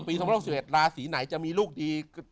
๒๖๑ราศีไหนจะมีลูกดี